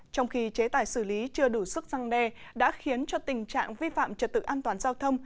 trong khi chế tài xử lý chưa đủ sức răng đe đã khiến cho tình trạng vi phạm trật tự an toàn giao thông